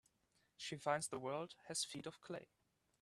She finds the world has feet of clay.